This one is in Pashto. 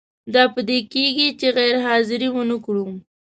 دا په دې کیږي چې غیر حاضري ونه کړو.